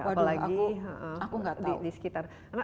waduh aku gak tahu